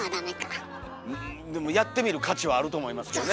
うんでもやってみる価値はあると思いますけどね。